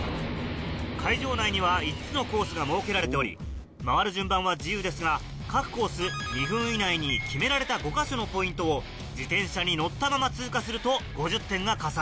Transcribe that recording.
会場内には５つのコースが設けられており回る順番は自由ですが各コース２分以内に決められた５か所のポイントを自転車に乗ったまま通過すると５０点が加算。